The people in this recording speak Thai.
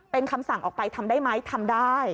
เป็นคำสั่งออกไปทำได้ไหมทำได้